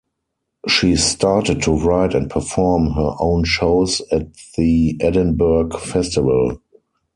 She started to write and perform her own shows at the Edinburgh Festival.